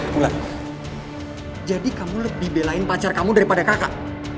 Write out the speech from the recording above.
bulan jadi kamu lebih belain pacar kamu daripada kakak